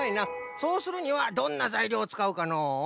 そうするにはどんなざいりょうをつかうかのう？